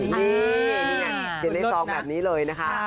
นี่เขียนในซองแบบนี้เลยนะคะ